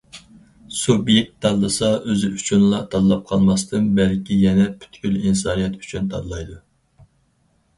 سۇبيېكت تاللىسا، ئۆزى ئۈچۈنلا تاللاپ قالماستىن بەلكى يەنە پۈتكۈل ئىنسانىيەت ئۈچۈن تاللايدۇ.